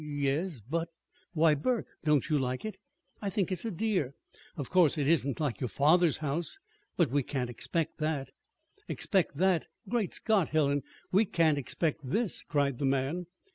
"Y yes; but " "Why, Burke, don't you like it? I think it's a dear! Of course it isn't like your father's house. But we can't expect that." "Expect that! Great Scott, Helen, we can't expect this!" cried the man.